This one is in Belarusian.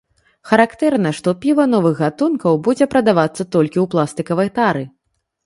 Характэрна, што піва новых гатункаў будзе прадавацца толькі ў пластыкавай тары.